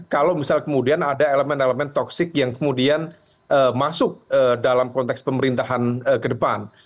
kalau misalnya kemudian ada elemen elemen toksik yang kemudian masuk dalam konteks pemerintahan ke depan